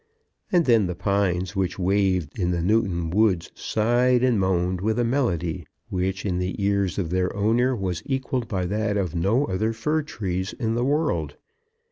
And then the pines which waved in the Newton woods sighed and moaned with a melody which, in the ears of their owner, was equalled by that of no other fir trees in the world.